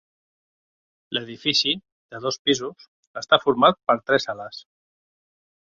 L'edifici, de dos pisos, està format per tres ales.